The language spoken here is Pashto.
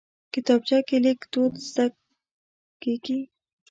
کتابچه کې لیک دود زده کېږي